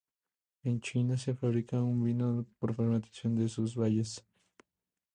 En China, se fabrica un vino por fermentación de sus bayas.